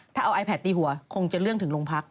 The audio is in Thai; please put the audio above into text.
ถ้าเอาไอแพทตีหัวคงจะเรื่องถึงโรงพัก